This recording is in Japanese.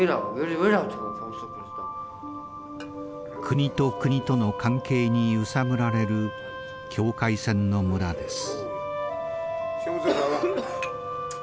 国と国との関係に揺さぶられる境界線の村です。